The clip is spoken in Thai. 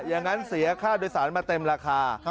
อย่างนั้นเสียค่าโดยสารมาเต็มราคา